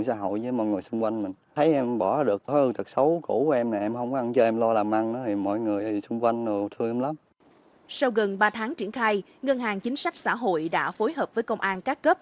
sau gần ba tháng triển khai ngân hàng chính sách xã hội đã phối hợp với công an các cấp